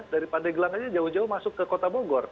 dari pandeglang aja jauh jauh masuk ke kota bogor